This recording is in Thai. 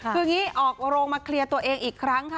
คืออย่างนี้ออกโรงมาเคลียร์ตัวเองอีกครั้งค่ะ